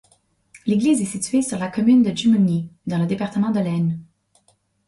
L'église est située sur la commune de Jumigny, dans le département de l'Aisne.